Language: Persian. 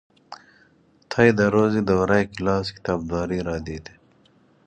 طی ده روز دورهٔ کلاس کتابداری را دید.